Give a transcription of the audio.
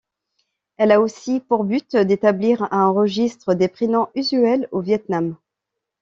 Elle a aussi pour but d'établir un registre des prénoms usuels au Viêt Nam.